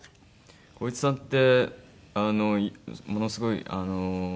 浩市さんってものすごいあの。